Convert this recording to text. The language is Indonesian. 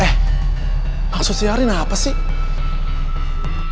eh maksudnya rin apa sih